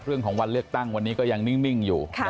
เรื่องของวันเลือกตั้งวันนี้ก็ยังนิ่งอยู่